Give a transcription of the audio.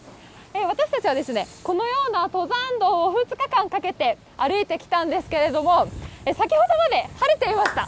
私たちは、このような登山道を２日間かけて歩いてきたんですけれども、先ほどまで晴れていました。